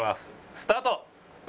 スタート！